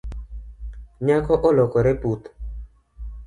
Nyako olokore puth